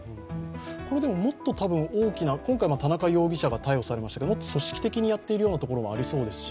これでももっと大きな、今回田中容疑者が逮捕されましたけど、もっと組織的にやっているところもありそうですし。